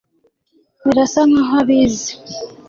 Birasa nkaho abizi